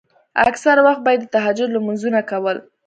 اکثره وخت به يې د تهجد لمونځونه کول.